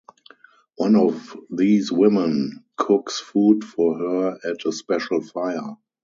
One of these women cooks food for her at a special fire.